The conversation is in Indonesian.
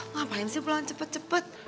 ngapain sih pulang cepet cepet